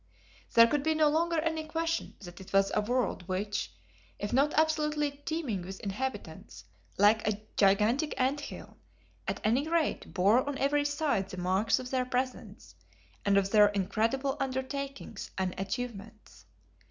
There could be no longer any question that it was a world which, if not absolutely teeming with inhabitants, like a gigantic ant hill, at any rate bore on every side the marks of their presence and of their incredible undertakings and achievements.